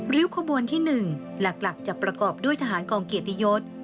ริ้วขบวนที่๑หลักจะประกอบด้วยทหารกองเกียรติยศ